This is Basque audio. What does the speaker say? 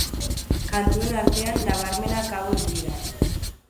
Kantuen artean, nabarmenak hauek dira.